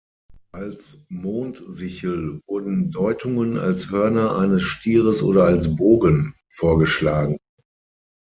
Als Mondsichel wurden Deutungen als Hörner eines Stieres oder als Bogen vorgeschlagen.